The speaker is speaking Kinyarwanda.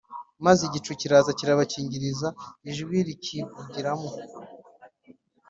Maze igicu kiraza kirabakingiriza ijwi rikivugiramo